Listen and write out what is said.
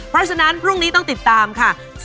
เพราะฉะนั้นพรุ่งนี้ต้องติดตามค่ะ